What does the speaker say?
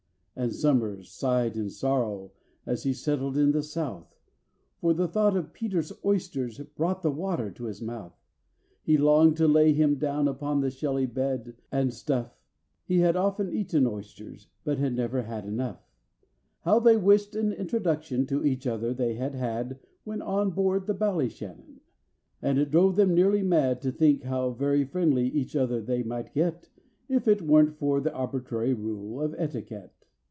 And SOMERS sighed in sorrow as he settled in the south, For the thought of PETER'S oysters brought the water to his mouth. He longed to lay him down upon the shelly bed, and stuff: He had often eaten oysters, but had never had enough. How they wished an introduction to each other they had had When on board the Ballyshannon! And it drove them nearly mad To think how very friendly with each other they might get, If it wasn't for the arbitrary rule of etiquette!